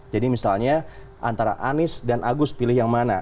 jadi misalnya antara anis dan agus pilih yang mana